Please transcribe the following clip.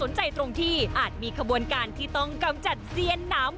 ที่เฉพาะลงที่อาจมีขระบวนการที่ต้องกำจัดเซียนน้ำ